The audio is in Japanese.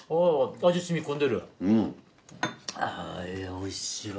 おいしいわ。